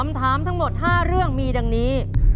คำถามทั้งหมด๕เรื่องมีดังนี้